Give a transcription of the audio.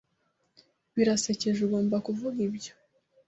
Birasekeje ugomba kuvuga ibyo.